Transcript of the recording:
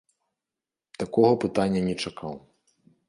Такога пытання не чакаў.